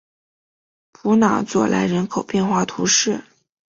普朗佐莱人口变化图示